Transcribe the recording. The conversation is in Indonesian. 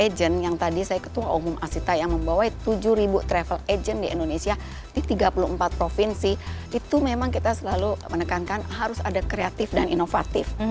jadi travel agent yang tadi saya ketua umum asita yang membawa tujuh travel agent di indonesia di tiga puluh empat provinsi itu memang kita selalu menekankan harus ada kreatif dan inovatif